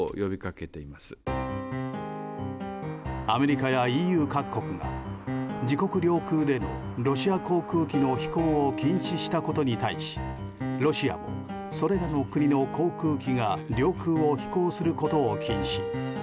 アメリカやＥＵ各国が自国領空でロシア航空機の飛行を禁止したことに対しロシアもそれらの国の航空機が領空を飛行することを禁止。